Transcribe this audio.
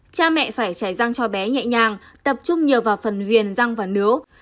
cha mẹ phải chải răng cho bé nhẹ nhàng tập trung nhiều vào phần viền răng và nướu